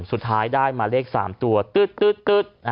สุดท้ายได้มาเลข๓ตัวตึ๊ด